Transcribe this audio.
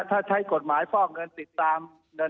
ถ้าใช้กฎหมายฟอกเงินติดตามเงิน